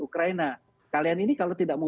ukraina kalian ini kalau tidak mau